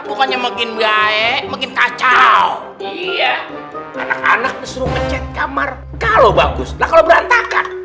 bukannya mungkin gaek mungkin kacau iya anak anak disuruh kecil kamar kalau bagus kalau berantakan